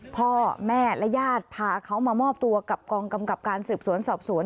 พ่อแม่และญาติพาเขามามอบตัวกับกองกำกับการสืบสวนสอบสวน